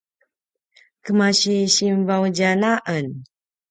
kemasi sinvaudjan a en